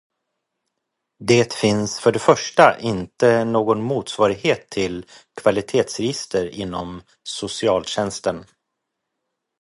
Det finns för det första inte någon motsvarighet till kvalitetsregister inom socialtjänsten.